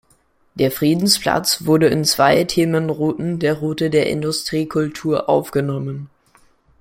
Der Friedensplatz wurde in zwei Themenrouten der Route der Industriekultur aufgenommen.